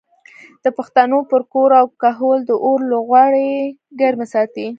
د پښتنو پر کور او کهول د اور لوخړې ګرمې ساتي.